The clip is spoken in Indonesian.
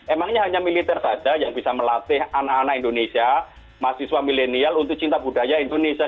emangnya hanya militer saja yang bisa melatih anak anak indonesia mahasiswa milenial untuk cinta budaya indonesia